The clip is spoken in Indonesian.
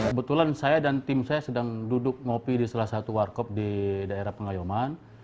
kebetulan saya dan tim saya sedang duduk ngopi di salah satu warkop di daerah pengayuman